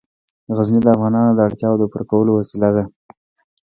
غزني د افغانانو د اړتیاوو د پوره کولو وسیله ده.